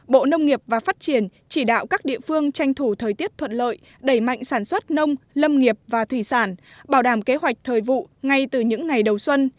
bộ nông nghiệp và phát triển chỉ đạo các địa phương tranh thủ thời tiết thuận lợi đẩy mạnh sản xuất nông lâm nghiệp và thủy sản bảo đảm kế hoạch thời vụ ngay từ những ngày đầu xuân